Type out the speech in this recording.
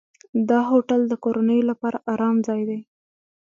دا هوټل د کورنیو لپاره آرام ځای دی.